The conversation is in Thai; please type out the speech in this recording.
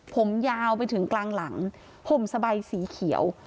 ผมยาวไปถึงกลางหลังห่มสบายสีเขียว